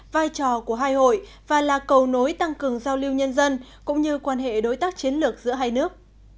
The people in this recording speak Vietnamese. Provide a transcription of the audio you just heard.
vai trò của hai hội và là cầu nối tăng cường giao lưu nhân dân cũng như quan hệ đối tác chiến lược giữa hai nước